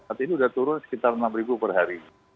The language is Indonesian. artinya sudah turun sekitar enam ribu per hari